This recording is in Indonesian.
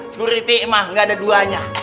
segeriti mah gak ada duanya